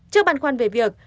trước bàn quan về việc